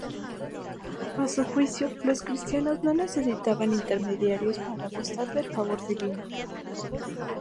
A su juicio, los cristianos no necesitaban intermediarios para gozar de la favor divino.